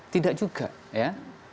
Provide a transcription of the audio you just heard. tidak juga ya